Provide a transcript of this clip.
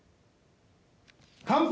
乾杯。